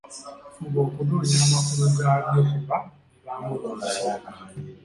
Fuba okunoonya amakulu gaabyo kuba bibaamu lwa nsonga.